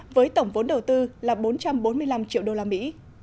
với tổng vốn đầu tư là bốn trăm bốn mươi năm triệu đô la mỹ